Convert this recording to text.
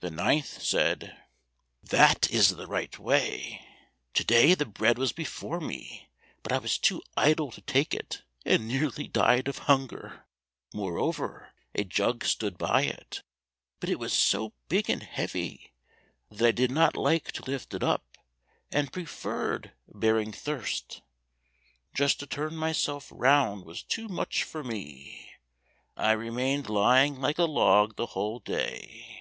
The ninth said, "That is the right way! To day the bread was before me, but I was too idle to take it, and nearly died of hunger! Moreover a jug stood by it, but it was so big and heavy that I did not like to lift it up, and preferred bearing thirst. Just to turn myself round was too much for me, I remained lying like a log the whole day."